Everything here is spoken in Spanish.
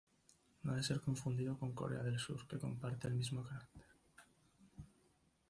No ha de ser confundido con Corea del Sur que comparte el mismo carácter.